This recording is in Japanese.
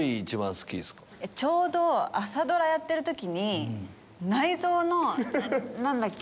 ちょうど朝ドラやってる時に内臓の何だっけ？